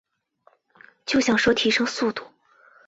就想说提升速度